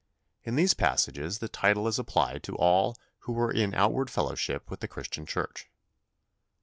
In these passages the title is applied to all who were in outward fellowship with the Christian Church.